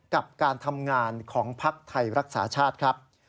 กับการทำงานของภักดิ์ไทยรักษาชาติครับ